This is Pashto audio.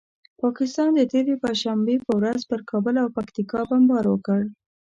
پاکستان د تېرې پنجشنبې په ورځ پر کابل او پکتیکا بمبار وکړ.